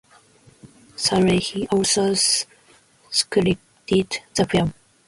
Sadeghi also scripted the film.